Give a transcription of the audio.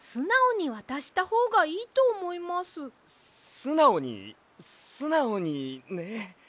すなおにすなおにね。